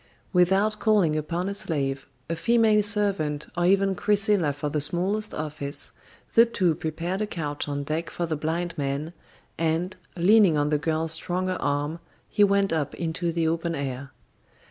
Without calling upon a slave, a female servant, or even Chrysilla for the smallest office, the two prepared a couch on deck for the blind man, and, leaning on the girl's stronger arm, he went up into the open air.